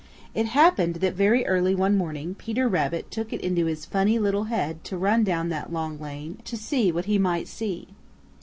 It happened that very early one morning Peter Rabbit took it into his funny little head to run down that long lane to see what he might see.